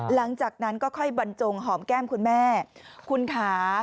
หลังจากนั้นก็ค่อยบรรจงหอมแก้มคุณแม่คุณค่ะ